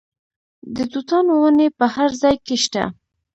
د توتانو ونې په هر ځای کې شته.